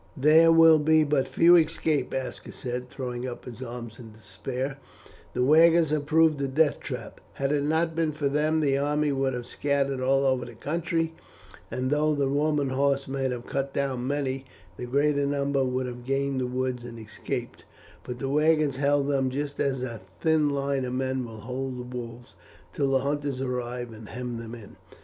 "There will be but few escape," Aska said, throwing up his arms in despair; "the wagons have proved a death trap; had it not been for them the army would have scattered all over the country, and though the Roman horse might have cut down many, the greater number would have gained the woods and escaped; but the wagons held them just as a thin line of men will hold the wolves till the hunters arrive and hem them in."